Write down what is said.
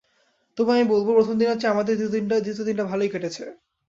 তবু আমি বলব, প্রথম দিনের চেয়ে আমাদের দ্বিতীয় দিনটা ভালোই কেটেছে।